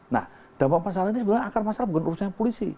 nah dampak masalah ini sebenarnya akar masalah bukan urusan polisi